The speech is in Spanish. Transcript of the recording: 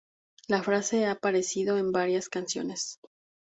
La frase ha aparecido en varias canciones.